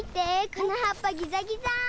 このはっぱギザギザ！